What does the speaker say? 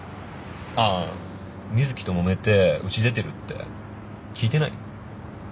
ああ瑞貴ともめてうち出てるって聞いてない？